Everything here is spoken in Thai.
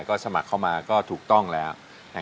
ก็สมัครเข้ามาก็ถูกต้องแล้ว